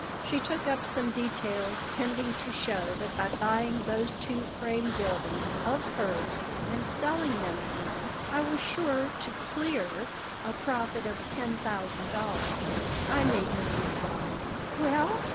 She took up some details tending to show that by buying those two frame buildings of hers and selling them again I was sure to "clear" a profit of ten thousand dollars I made no reply "Well?